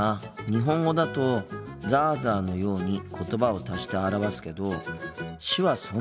日本語だと「ザーザー」のように言葉を足して表すけど手話そのものを変えるんだな。